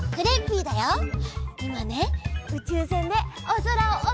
いまねうちゅうせんでおそらをおさんぽしているんだ！